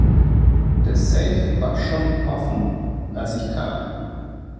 Der Safe war schon offen als ich kam.